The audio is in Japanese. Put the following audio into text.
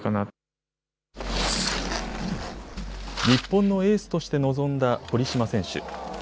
日本のエースとして臨んだ堀島選手。